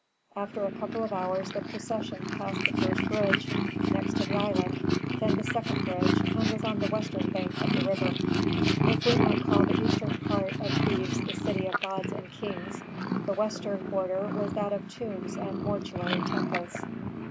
After a couple of hours the procession passed the first bridge, next the island, then the second bridge, and was on the western bank of the river. If we might call the eastern part of Thebes the city of gods and kings, the western quarter was that of tombs and mortuary temples.